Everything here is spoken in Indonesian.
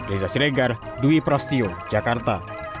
reza siregar dwi prasetyo jakarta